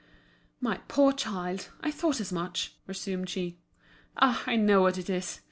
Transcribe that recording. "My poor child, I thought as much," resumed she. "Ah, I know what it is!